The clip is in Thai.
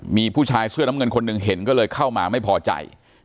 มีผู้ชายเสื้อน้ำเงินคนหนึ่งเห็นก็เลยเข้ามาไม่พอใจ